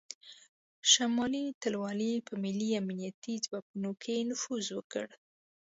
شمالي ټلوالې په ملي امنیتي ځواکونو کې نفوذ وکړ